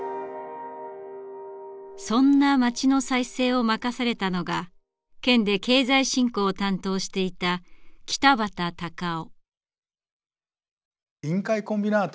そんな町の再生を任されたのが県で経済振興を担当していた北畑隆生。